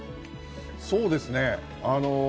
そうですね。